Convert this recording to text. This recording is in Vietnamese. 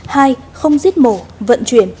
hai không giết mổ vận chuyển